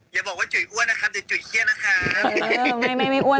อย่าบอกว่าจุ๋ยอวดนะครับแต่จุ๋ยเหี้ยนะครับ